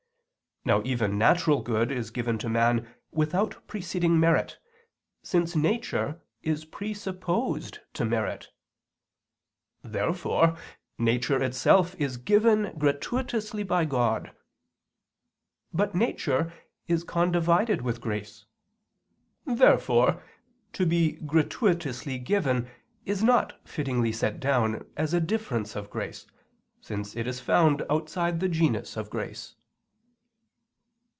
Now even natural good is given to man without preceding merit, since nature is presupposed to merit. Therefore nature itself is given gratuitously by God. But nature is condivided with grace. Therefore to be gratuitously given is not fittingly set down as a difference of grace, since it is found outside the genus of grace.